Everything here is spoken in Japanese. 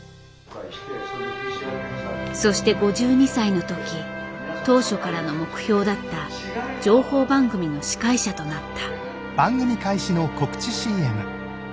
そして５２歳の時当初からの目標だった情報番組の司会者となった。